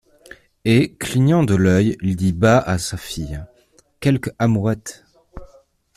Et, clignant de l’œil, il dit bas à sa fille: — Quelque amourette!